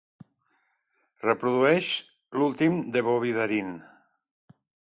Reprodueix l'últim de Bobby Darin.